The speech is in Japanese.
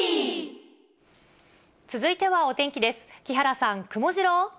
続いてはお天気です。